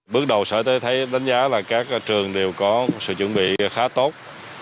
bước đầu sở y tế thấy đánh giá là các trường đều có sự chuẩn bị khá tốt